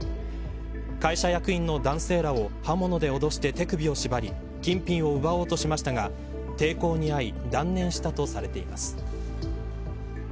会社役員の男性らを刃物で脅して手首を縛り金品を奪おうとしましたが抵抗にあい断念したとされています。